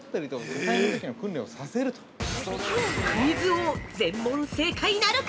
◆クイズ王、全問正解なるか？